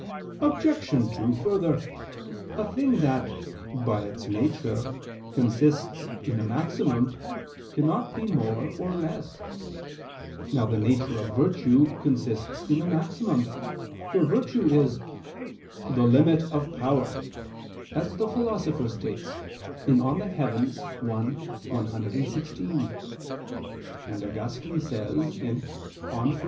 Obj. 2: Further, a thing that, by its nature, consists in a maximum, cannot be more or less. Now the nature of virtue consists in a maximum, for virtue is "the limit of power," as the Philosopher states (De Coelo i, text. 116); and Augustine says (De Lib. Arb.